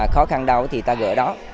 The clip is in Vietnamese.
khó khăn đau thì ta gỡ đó